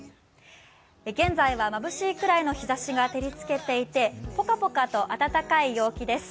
現在はまぶしいくらいの日ざしが照りつけていてぽかぽかと暖かい陽気です。